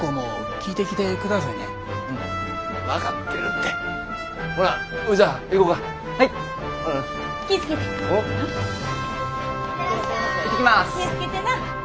気ぃ付けてな。